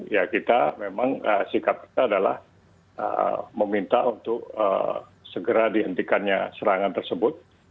ya kita memang sikap kita adalah meminta untuk segera dihentikannya serangan tersebut